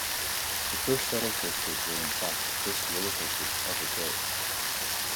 The first shuttle coasters were in fact the first roller coasters ever built.